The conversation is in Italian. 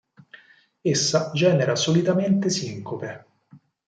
Essa genera solitamente sincope.